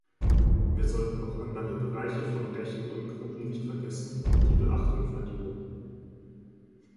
Wir sollten auch andere Bereiche von Rechten und Gruppen nicht vergessen, die Beachtung verdienen.